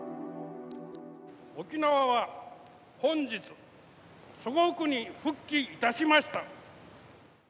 沖縄は本日祖国に復帰いたしました。